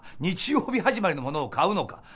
日曜日始まりのものを買うのか